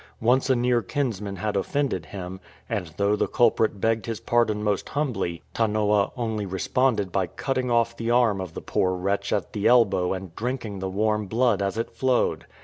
Once a near kinsman had offended him, and though the culprit begged his pardon most humbly, Tanoa only responded by cutting off the arm of the poor wretch at the elbow and drinking the warm blood as it flowed.